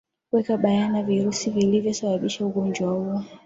weka bayana virusi viliavyo sababisha ugonjwa huo